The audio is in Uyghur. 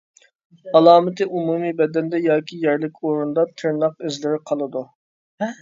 ئالامىتى ئومۇمىي بەدەندە ياكى يەرلىك ئورۇندا تىرناق ئىزلىرى قالىدۇ.